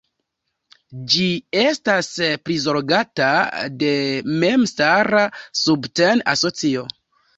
Ĝi estas prizorgata de memstara subten-asocio.